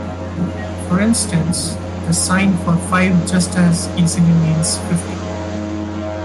For instance, the sign for five just as easily means fifty.